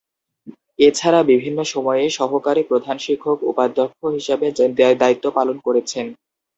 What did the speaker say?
এছাড়া বিভিন্ন সময়ে সহকারী প্রধান শিক্ষক, উপাধ্যক্ষ হিসেবে দায়িত্ব পালন করেছেন।